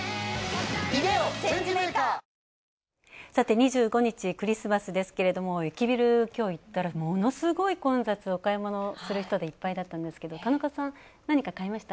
２５日、クリスマスですけれども駅ビル、きょう行ったらものすごい混雑、お買い物をする人でいっぱいだったんですけど、田中さん、何か買いました？